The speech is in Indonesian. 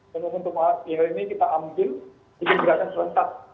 dan untuk hari ini kita ambil kegiatan serentak